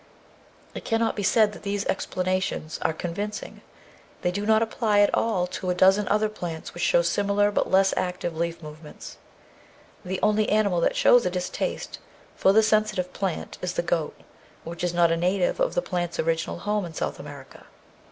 It cannot be said that these explanations are convincing. They do not apply at all to a dozen other plants which show similar but less active leaf move ments. The only animal that shows a distaste for the Sensitive 624 The Outline of Science Plant is the goat, which is not a native of the plant's original home in South America.